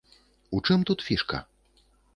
У чым тут фішка?